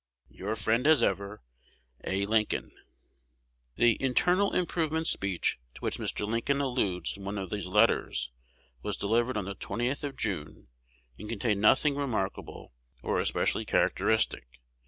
Your friend, as ever, A. Lincoln. The "internal improvement" speech to which Mr. Lincoln alludes in one of these letters was delivered on the 20th of June, and contained nothing remarkable or especially characteristic.